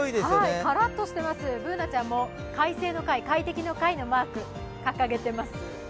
からっとしてます、Ｂｏｏｎａちゃんも快の快快適の快のマーク掲げてます。